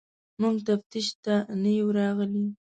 موږ تفتیش ته نه یو راغلي.